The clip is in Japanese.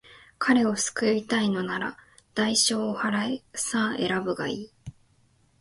彼を救いたいのなら、代償を払え。さあ、選ぶがいい。